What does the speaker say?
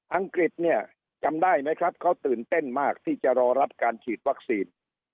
อังกฤษเนี่ยจำได้ไหมครับเขาตื่นเต้นมากที่จะรอรับการฉีดวัคซีน